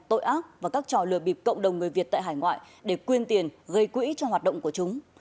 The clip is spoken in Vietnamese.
tội ác và các trò lừa bịp cộng đồng người việt tại hải ngoại để quyên tiền gây quỹ cho hoạt động của chúng